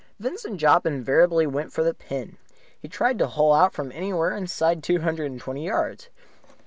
Vincent Jopp invariably went for the pin. He tried to hole out from anywhere inside two hundred and twenty yards.